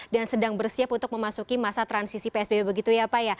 dan sedang bersiap untuk memasuki masa transisi psbb begitu ya pak